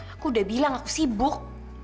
aku udah bilang aku sibuk